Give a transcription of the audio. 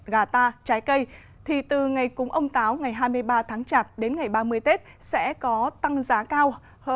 gà ta trái cây thì từ ngày cúng ông táo ngày hai mươi ba tháng chạp đến ngày ba mươi tết sẽ có tăng giá cao